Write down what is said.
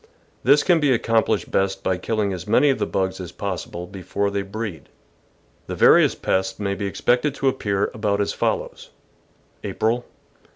This can be accomplished best by killing as many of the bugs as possible before they breed. The various pests may be expected to appear about as follows: April.